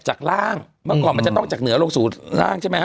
ร่างเมื่อก่อนมันจะต้องจากเหนือลงสู่ล่างใช่ไหมฮ